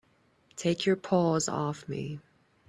Take your paws off me!